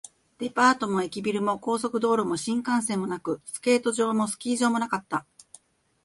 デパートも駅ビルも、高速道路も新幹線もなく、スケート場もスキー場もなかった